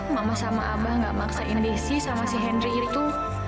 mama sama abah gak maksain desi sama si henry itu